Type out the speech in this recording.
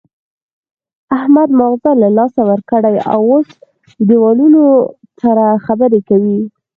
احمد ماغزه له لاسه ورکړي، اوس له دېوالونو سره خبرې کوي.